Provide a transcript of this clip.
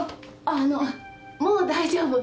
あのもう大丈夫。